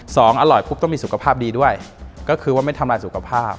สองอร่อยปุ๊บต้องมีสุขภาพดีด้วยก็คือว่าไม่ทำลายสุขภาพ